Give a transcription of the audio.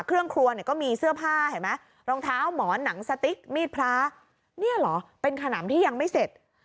เครื่องครัวเนี่ยก็มีเสื้อผ้าเห็นไหมรองเท้าหมอนหนังสติ๊กมีดพระเนี่ยเหรอเป็นขนำที่ยังไม่เสร็จ